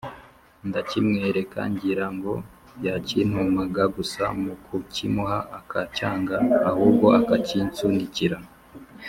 ndakimwereka ngira ngo yakintumaga gusa mukukimuha akacyanga ahubwo akakinsunikira,